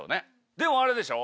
でもあれでしょ